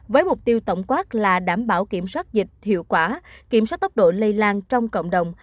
với mục tiêu tổng quát là đảm bảo kiểm soát dịch hiệu quả kiểm soát tốc độ lây lan trong cộng đồng